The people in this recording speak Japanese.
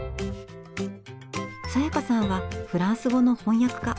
明夏さんはフランス語の翻訳家。